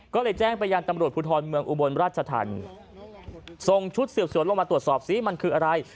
ก็เลยแจ้งไปยังตำรวจภูทรเมืองอุบลราชธรรมส่งชุดสืบสวนลงมาตรวจสอบซิมันคืออะไร